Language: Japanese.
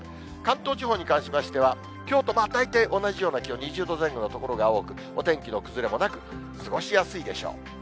関東地方に関しましては、きょうと大体同じような気温、２０度前後の所が多く、お天気の崩れもなく、過ごしやすいでしょう。